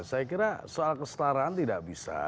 saya kira soal kestaraan tidak bisa